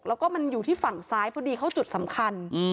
แล้วก็มันอยู่ที่ฝั่งซ้ายพอดีเข้าจุดสำคัญ